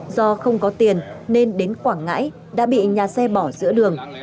do không có tiền nên đến quảng ngãi đã bị nhà xe bỏ giữa đường